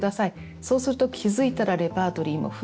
そうすると気付いたらレパートリーも増えて。